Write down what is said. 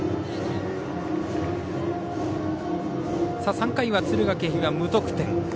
３回は敦賀気比が無得点。